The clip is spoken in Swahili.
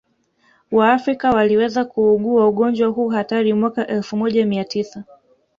waafrika waliweza kuugua ugonjwa huu hatari mwaka elfu moja mia tisa